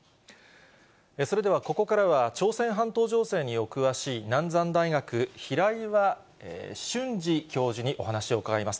それではここからは、朝鮮半島情勢にお詳しい、南山大学、平岩俊司教授にお話を伺います。